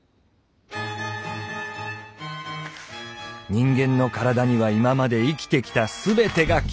人間の体には今まで生きてきた全てが記憶されている。